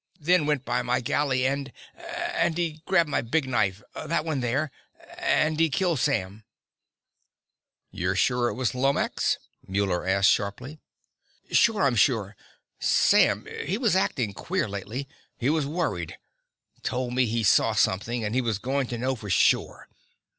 They went by my galley and and he grabbed my big knife, that one there. And he killed Sam." "You're sure it was Lomax?" Muller asked sharply. "Sure I'm sure. Sam, he was acting queer lately. He was worried. Told me he saw something, and he was going to know for sure.